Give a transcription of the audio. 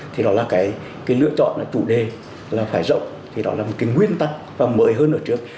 thì đó là cái lựa chọn là chủ đề là phải rộng thì đó là một cái nguyên tắc và mới hơn ở trước